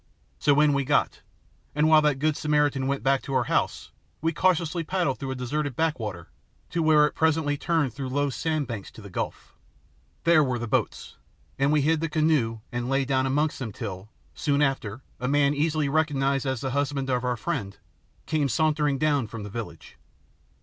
So in we got, and while that good Samaritan went back to her house we cautiously paddled through a deserted backwater to where it presently turned through low sandbanks to the gulf. There were the boats, and we hid the canoe and lay down amongst them till, soon after, a man, easily recognised as the husband of our friend, came sauntering down from the village.